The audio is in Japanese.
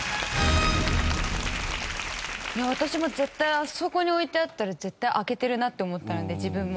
私も絶対あそこに置いてあったら絶対開けてるなと思ったので自分も。